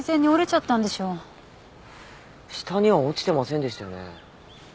下には落ちてませんでしたよね？